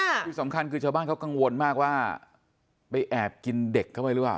ที่สำคัญคือชาวบ้านเขากังวลมากว่าไปแอบกินเด็กเข้าไปหรือเปล่า